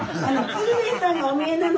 鶴瓶さんがお見えなの。